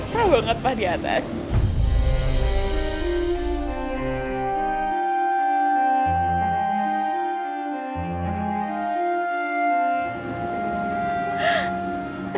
saya cabur dong